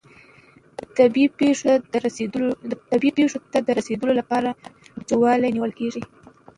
طبیعي پیښو ته د رسیدو لپاره چمتووالی نیول کیږي.